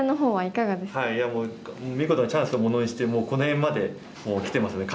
いやもう見事にチャンスをものにしてこの辺まできてますね